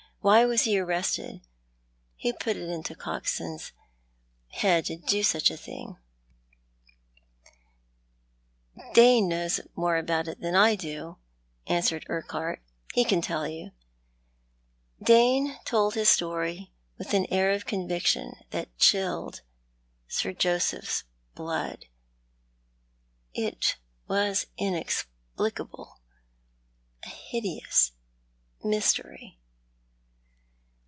"Why was ho arrested? "Who put it into Coxou's held to do such a thing ?" "Dane knows more about it than I do," answered Urquhart. " He can tell you." Dane told his story with an air of conviction that chilled Sir Joseph's blood. It was inexplicable— a hideous mystery.